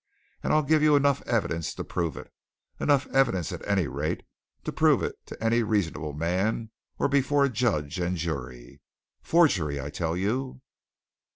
And I'll give you enough evidence to prove it enough evidence, at any rate, to prove it to any reasonable man or before a judge and jury. Forgery, I tell you!"